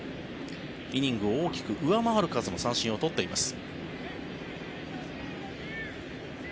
イニングを大きく上回る数の三振を取っています。